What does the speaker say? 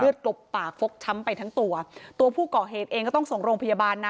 กลบปากฟกช้ำไปทั้งตัวตัวผู้ก่อเหตุเองก็ต้องส่งโรงพยาบาลนะ